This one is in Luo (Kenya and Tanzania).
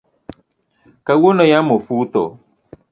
Kawuono yamo fudho